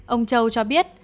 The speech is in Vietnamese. ông châu cho biết